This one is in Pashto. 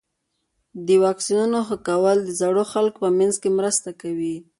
د واکسینونو ښه کول د زړو خلکو په منځ کې مرسته کوي.